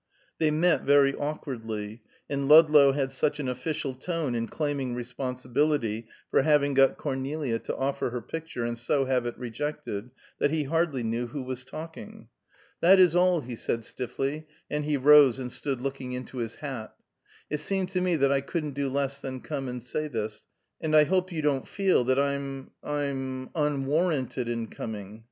They met very awkwardly, and Ludlow had such an official tone in claiming responsibility for having got Cornelia to offer her picture, and so have it rejected, that he hardly knew who was talking. "That is all," he said, stiffly; and he rose and stood looking into his hat. "It seemed to me that I couldn't do less than come and say this, and I hope you don't feel that I'm I'm unwarranted in coming."